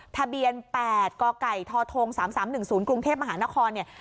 ทะเบียนแปดกไก่ทอทงสามสามหนึ่งศูนย์กรุงเทพมหานครเนี่ย